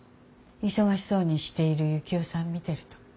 忙しそうにしている幸男さん見てると。